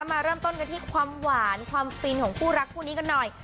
มาเริ่มต้นกันที่ความหวานความฟินของคู่รักคู่นี้กันหน่อย